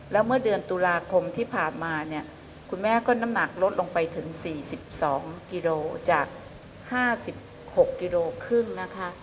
แล้วเมื่อเดือนตุลาคมที่ผ่านมาเนี่ยคุณแม่ก็น้ำหนักลดลงไปถึง๔๒กิโลจาก๕๖กิโลครึ่งนะคะ